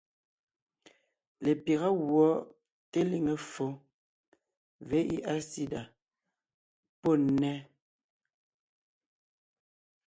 Lepyága gùɔ teliŋe ffo (VIH/SIDA) pɔ́ nnέ,